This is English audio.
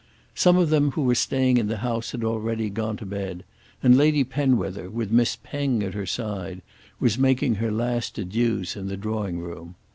Some of them who were staying in the house had already gone to bed, and Lady Penwether, with Miss Penge at her side, was making her last adieux in the drawing room.